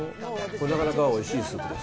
なかなかおいしいスープです。